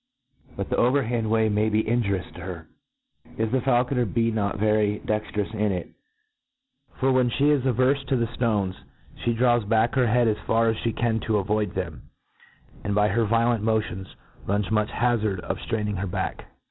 But the over hand way may be injurious to her, if the faulconer be not very dextrous in it ; for, when (he is averfe to the ftones, ihe draws back her head as far Ihe as can, to avoid them, and by her violent motions runs much hazard of {training her back.